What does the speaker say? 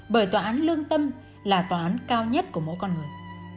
bởi tòa án lương tâm là tòa án cao nhất của mỗi con người